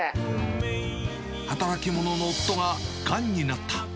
働き者の夫ががんになった。